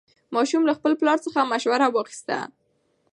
ماشوم له خپل پلار څخه مشوره واخیسته